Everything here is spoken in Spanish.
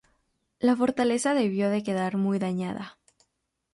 La fortaleza debió de quedar muy dañada.